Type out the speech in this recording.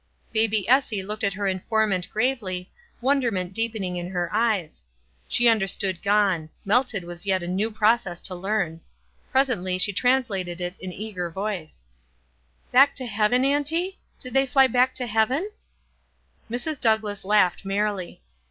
Baby Essie looked at her informant gravely, wonderment deepening in her eyes. She under stood "gone" — "melted" was yet a new pro cess to learn. Presently she translated it in easier voice. WISE AND OTHEKWISE. 311 "Back to heaven, auntie? Did they fly back to heaven?"' Mrs. Douglass laughed merrily.